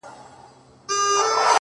نه “ نه داسي نه ده”